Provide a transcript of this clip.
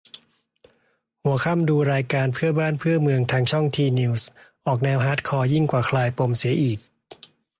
หัวค่ำ ดูรายการ "เพื่อบ้านเพื่อเมือง" ทางช่อง ทีนิวส์ ออกแนวฮาร์ดคอร์ยิ่งกว่า "คลายปม" เสียอีก